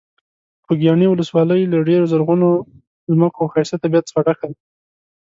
خوږیاڼي ولسوالۍ له ډېرو زرغونو ځمکو او ښایسته طبیعت څخه ډکه ده.